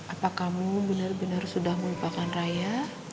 apa kamu benar benar sudah melupakan raya